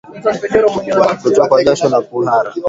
Kutokwa jasho na kuhara